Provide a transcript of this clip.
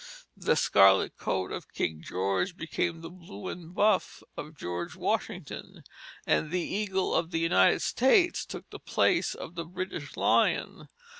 The scarlet coat of King George became the blue and buff of George Washington; and the eagle of the United States took the place of the British lion.